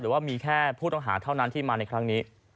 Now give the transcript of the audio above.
ว่ามีแค่ผู้ต้องหาเท่านั้นที่มาในครั้งนี้